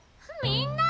みんな！